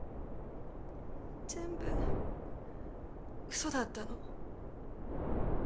全部嘘だったの？